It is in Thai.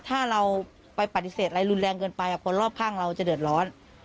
ถ้าเราไปปฏิเสธอะไรรุนแรงเกินไปคนรอบข้างเราจะเดือดร้อน